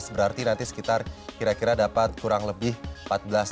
berarti nanti sekitar kira kira dapat kurang lebih empat belas